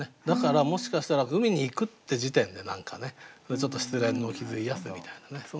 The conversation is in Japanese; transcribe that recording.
だからもしかしたら海に行くって時点で何かねちょっと失恋の傷癒やすみたいなね